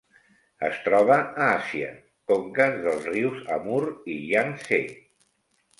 Es troba a Àsia: conques dels rius Amur i Iang-Tsé.